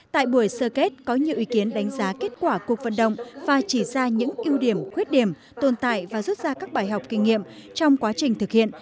tại buổi sơ kết có nhiều ý kiến đánh giá kết quả cuộc vận động và chỉ ra những ưu điểm khuyết điểm tồn tại và rút ra các bài học kinh nghiệm trong quá trình thực hiện